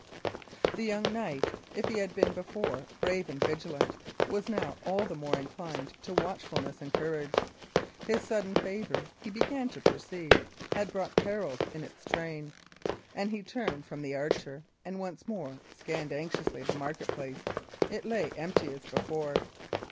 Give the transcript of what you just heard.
The young knight, if he had before been brave and vigilant, was now all the more inclined to watchfulness and courage. His sudden favour, he began to perceive, had brought perils in its train. And he turned from the archer, and once more scanned anxiously the market place. It lay empty as before.